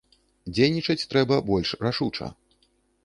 Дзейнічаць трэба больш рашуча.